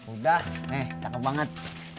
udah nih cakep banget